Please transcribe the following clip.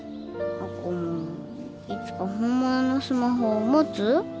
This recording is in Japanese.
亜子もいつか本物のスマホ持つ？